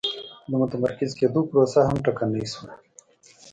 د متمرکز کېدو پروسه هم ټکنۍ شوه.